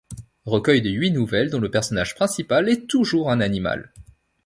Recueil de huit nouvelles, dont le personnage principal est toujours un animal.